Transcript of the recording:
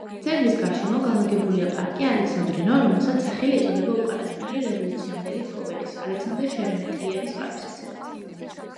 ძეგლის გარშემო განლაგებულია პარკი ალექსანდრინო, რომელსაც სახელი ეწოდა უკანასკნელი რევოლუციამდელი მფლობელის ალექსანდრე შერემეტიევის პატივსაცემად.